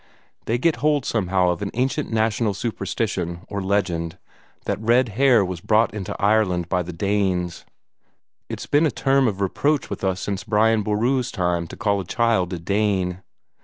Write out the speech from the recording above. They get hold somehow of an ancient national superstition, or legend, that red hair was brought into Ireland by the Danes. It's been a term of reproach with us since Brian Boru's time to call a child a Dane.